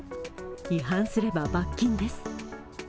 違反すれば罰金です。